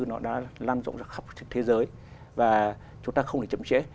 nó đã lan rộng ra khắp trên thế giới và chúng ta không thể chậm trễ